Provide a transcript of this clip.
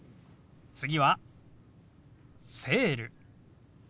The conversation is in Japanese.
次は「セール」。